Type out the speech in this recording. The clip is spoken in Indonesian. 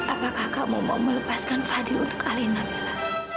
apakah kamu mau melepaskan fadil untuk alena mila